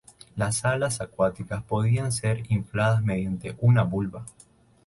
Las alas acuáticas podían ser infladas mediante una válvula.